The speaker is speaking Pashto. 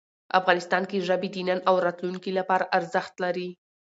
افغانستان کې ژبې د نن او راتلونکي لپاره ارزښت لري.